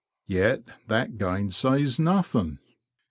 Yet that gainsays nothing.